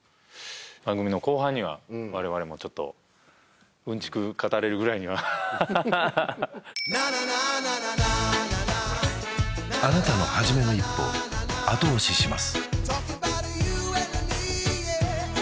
番組の後半にはわれわれもちょっとうんちく語れるぐらいにはあなたのはじめの一歩を後押しします